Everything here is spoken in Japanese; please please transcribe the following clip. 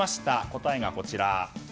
答えがこちら。